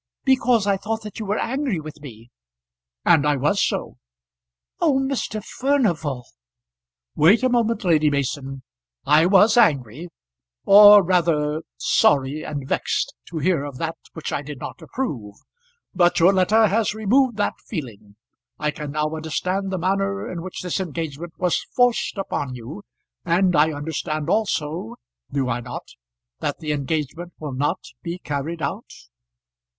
"Because I thought that you were angry with me." "And I was so." "Oh, Mr. Furnival!" "Wait a moment, Lady Mason. I was angry; or rather sorry and vexed to hear of that which I did not approve. But your letter has removed that feeling. I can now understand the manner in which this engagement was forced upon you; and I understand also do I not? that the engagement will not be carried out?"